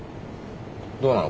どうなの？